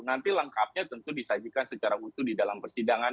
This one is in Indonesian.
nanti lengkapnya tentu disajikan secara utuh di dalam persidangan